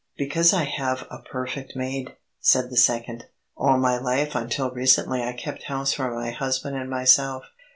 "Because I have a perfect maid," said the second. "All my life until recently I kept house for my husband and myself.